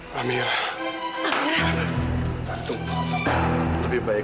bu amira pengen masuk